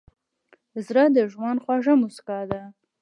زړه د ژوند خوږه موسکا ده.